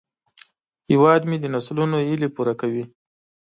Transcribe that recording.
هیواد مې د نسلونو هیلې پوره کوي